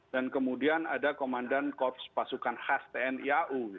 dan kemudian ada komandan korps pasukan khas tni au